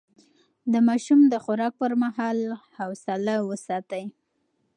د ماشوم د خوراک پر مهال حوصله وساتئ.